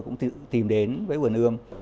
cũng tìm đến với vườn ưm